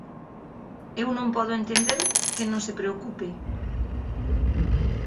Eu non podo entender que non se preocupe.